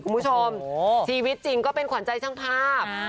คุณผู้ชมชีวิตจริงก็เป็นขวัญใจช่างภาพ